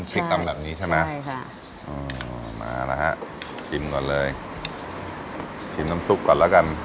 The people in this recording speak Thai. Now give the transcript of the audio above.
ที่ตำแบบนี้ใช่ไหมใช่ค่ะอืมมานะฮะชิมก่อนเลยชิมน้ำซุปก่อนแล้วกัน